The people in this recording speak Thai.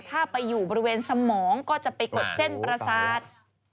ถ้าไปอยู่บริเวณสมองก็จะไปกดเส้นประสาท